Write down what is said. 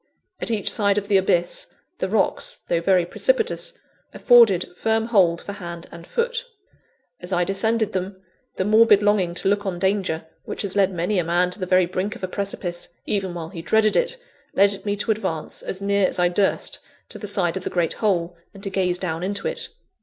At each side of the abyss, the rocks, though very precipitous, afforded firm hold for hand and foot. As I descended them, the morbid longing to look on danger, which has led many a man to the very brink of a precipice, even while he dreaded it, led me to advance as near as I durst to the side of the great hole, and to gaze down into it.